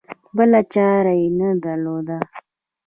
بله چاره یې نه درلوده.